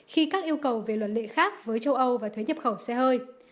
khi các yêu cầu về luật lệ khác với châu âu và thuế nhập khẩu xe hơi